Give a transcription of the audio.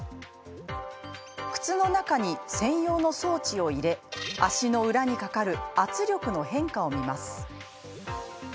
靴の中に、専用の装置を入れ足の裏にかかる圧力の変化を見ます。